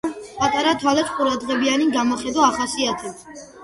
პატარა თვალებს ყურადღებიანი გამოხედვა ახასიათებთ.